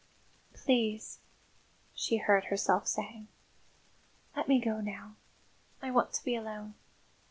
"Please," she heard herself saying, "let me go now. I want to be alone.